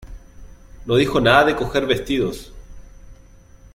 no dijo nada de coger vestidos,